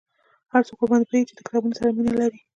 هغه څوک ورباندي پوهیږي چې د کتابونو سره مینه لري